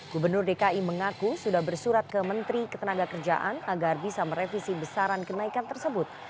gubernur dki mengaku sudah bersurat ke menteri ketenaga kerjaan agar bisa merevisi besaran kenaikan tersebut